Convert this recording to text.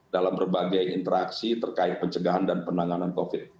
dalam berbagai interaksi terkait pencegahan dan penanganan covid